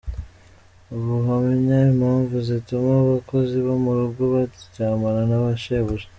Ubuhamya: Impamvu zituma abakozi bo mu rugo baryamana na ba Shebuja.